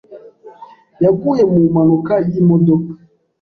Yaguye mu mpanuka y'imodoka.